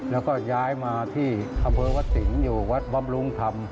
แล้วก็ย้ายมาที่อำเบิกวัยศิรษยุวัดบำรุงธรรม